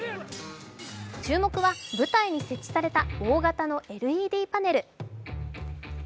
注目は、舞台に設置された大型のＬＥＤパネル。